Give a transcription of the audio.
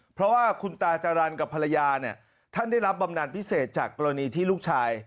เพราะว่าคุณตาจรรย์กับภรรยาเนี่ยท่านได้รับบำนานพิเศษจากกรณีที่ลูกชาย